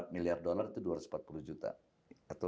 empat miliar dolar itu dua ratus empat puluh juta atau